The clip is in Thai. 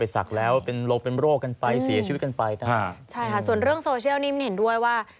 ส่วนเรื่องสโชท์นี้เห็นด้วยว่า